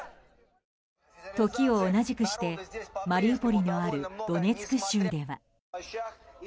時を同じくしてマリウポリのあるドネツク州では。